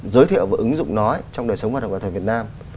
giới thiệu và ứng dụng nó trong đời sống văn học nghệ thuật việt nam